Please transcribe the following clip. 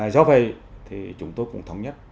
do vậy thì chúng tôi cũng thống nhất